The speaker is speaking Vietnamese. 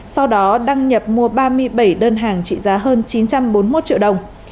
sau đó đăng nhập mua ba mươi bảy đơn hàng trị giá hơn chín trăm bốn mươi một triệu đồng